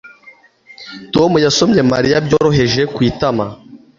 Tom yasomye Mariya byoroheje ku itama